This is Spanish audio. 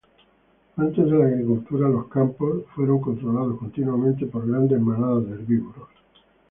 Antes de la agricultura, los campos fueron controlados continuamente por grandes manadas de herbívoros.